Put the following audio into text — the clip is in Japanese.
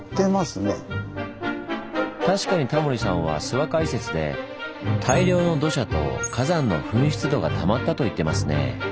確かにタモリさんは諏訪解説で「大量の土砂」と「火山の噴出土」がたまったと言ってますねぇ。